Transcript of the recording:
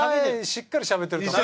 しっかりしゃべってると思う。